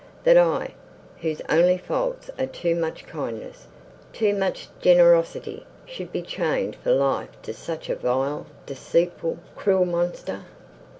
That I, whose only faults are too much kindness, too much generosity, should be chained for life to such a vile, deceitful, cruel monster!"